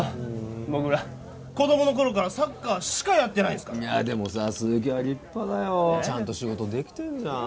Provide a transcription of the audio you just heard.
僕ら子供の頃からサッカーしかやってないんですからいやでもさ鈴木は立派だよちゃんと仕事できてんじゃん